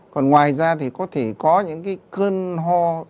còn ngoài ra thì có thể có những cái cơn ho